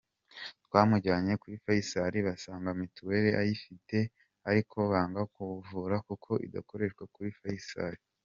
Twamujyanye kuri Faycal, basanga mutuelle ayifite ariko banga kumuvura kuko idakoreshwa kuri Faycal.